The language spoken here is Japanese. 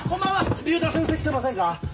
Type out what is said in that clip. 竜太先生来てませんか！？